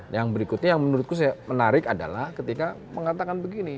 yang berikutnya yang menurutku saya menarik adalah ketika mengatakan begini